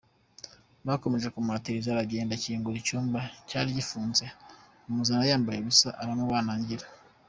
Bakomeje kumuhatiriza aragenda ngo akingura icyumba cyari gifunze amuzana yambaye ubusa aramubanagira.